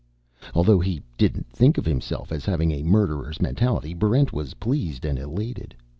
Although he didn't think of himself as having a murderer's mentality, Barrent was pleased and elated.